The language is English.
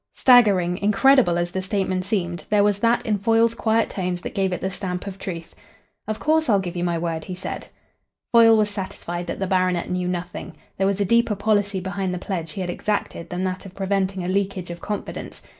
Staggering, incredible as the statement seemed, there was that in Foyle's quiet tones that gave it the stamp of truth. "Of course, I'll give you my word," he said. Foyle was satisfied that the baronet knew nothing. There was a deeper policy behind the pledge he had exacted than that of preventing a leakage of confidence.